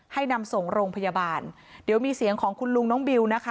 นำส่งโรงพยาบาลเดี๋ยวมีเสียงของคุณลุงน้องบิวนะคะ